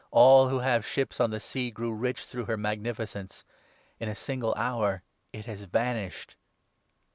All who have ships on the sea grew rich through her magnificence. In a single hour it has vanished.'